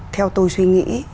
theo tôi suy nghĩ